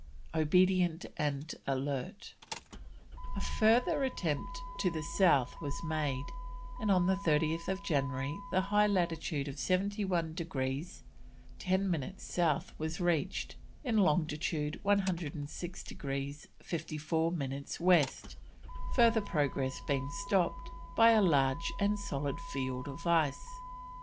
OBEDIENT AND ALERT. A further attempt to the south was made, and on 30th January the high latitude of 71 degrees 10 minutes South was reached, in longitude 106 degrees 54 minutes West, further progress being stopped by a large and solid field of ice.